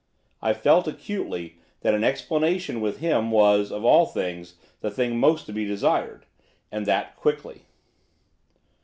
I felt, acutely, that an explanation with him was, of all things, the thing most to be desired, and that quickly.